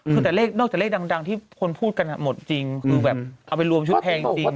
คือแต่เลขนอกจากเลขดังที่คนพูดกันหมดจริงคือแบบเอาไปรวมชุดแพงจริง